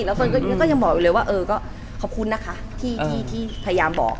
แล้วเฟิร์นก็ยังบอกเลยว่าเออก็ขอบคุณนะคะที่ที่ที่พยายามบอก